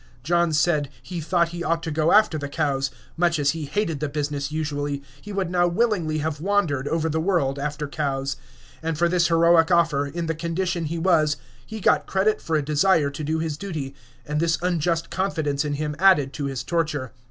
John said he thought he ought to go after the cows, much as he hated the business usually, he would now willingly have wandered over the world after cows, and for this heroic offer, in the condition he was, he got credit for a desire to do his duty; and this unjust confidence in him added to his torture.